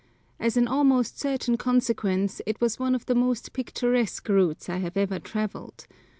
As an almost certain consequence, it was one of the most picturesque routes I have ever travelled.